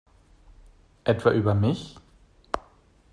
Etwa über mich?